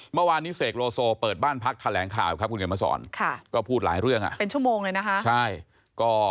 เมื่อวานนี้เสกโลโซเปิดบ้านพักแถลงข่าวครับคุณเขียนมาสอนก็พูดหลายเรื่องเป็นชั่วโมงเลยนะคะ